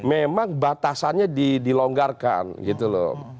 memang batasannya dilonggarkan gitu loh